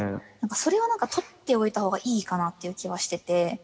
それは取っておいたほうがいいかなっていう気はしてて。